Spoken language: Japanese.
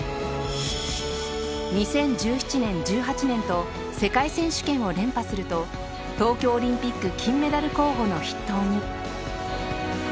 ２０１７年２０１８年と世界選手権を連覇すると東京オリンピック金メダル候補の筆頭に。